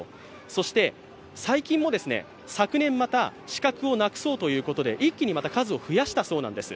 そして最近も昨年また死角をなくそうということで一気に、また数を増やしたそうなんです。